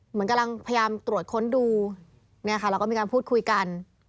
เหมือนกำลังพยายามตรวจค้นดูเนี่ยค่ะแล้วก็มีการพูดคุยกัน